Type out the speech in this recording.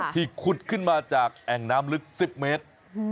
ขุดขึ้นมาจากแอ่งน้ำลึก๑๐เมตร